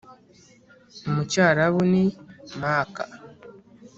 (mu cyarabu ni makkah),